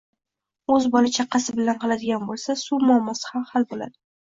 o‘zi bola chaqasi bilan qiladigan bo‘lsa, suv muammosi ham hal bo‘ladi.